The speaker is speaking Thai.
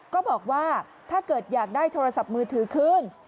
ก็บอกว่าถ้าเกิดอยากได้โทรศัพท์มือถือคืน